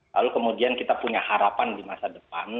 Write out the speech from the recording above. lalu kemudian kita punya harapan di masa depan